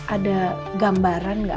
ada gambaran gak